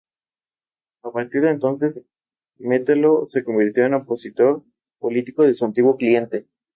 A partir de entonces, Metelo se convirtió en opositor político de su antiguo cliente.